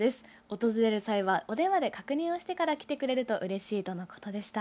訪れる際はお電話で確認をしてから来てくれるとうれしいとのことでした。